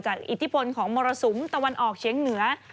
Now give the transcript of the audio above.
อิทธิพลของมรสุมตะวันออกเชียงเหนือ